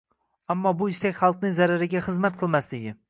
Ammo bu istak xalqning zarariga xizmat qilmasligi